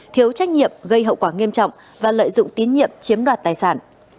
thiếu trách nhiệm gây hậu quả nghiêm trọng và lợi dụng tín nhiệm chiếm đoạt tài sản